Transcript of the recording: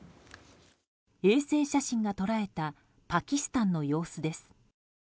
衛星写真が捉えたパキスタンの様子です。